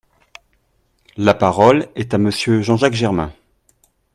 La parole est à Monsieur Jean-Marc Germain.